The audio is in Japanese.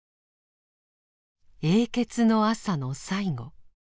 「永訣の朝」の最後。